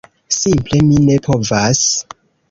Simple mi ne povas.